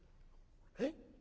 「えっ！？」。